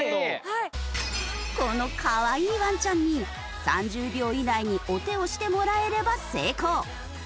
このかわいいワンちゃんに３０秒以内にお手をしてもらえれば成功。